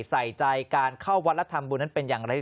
ใส่ใจการเข้าวัดและทำบุญนั้นเป็นอย่างไร